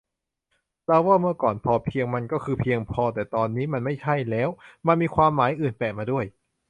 เราว่า เมื่อก่อน พอเพียง มันก็คือ เพียงพอ แต่ตอนนี้มันไม่ใช่แล้ว มันมีความหมายอื่นแปะมาด้วย